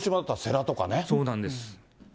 そうなんです。